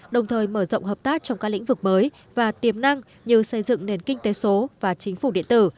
đồng thời mở rộng hợp tác trong các lĩnh vực mới và tiềm năng như xây dựng nền kinh tế số và chính phủ điện tử